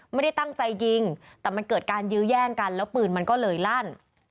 ไม่ได้ตั้งใจยิงแต่มันเกิดการยื้อแย่งกันแล้วปืนมันก็เลยลั่น